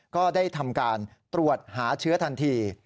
ก็ได้ทำการตรวจหาเชื้อทันที